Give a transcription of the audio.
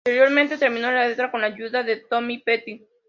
Posteriormente terminó la letra con la ayuda de Tom Petty.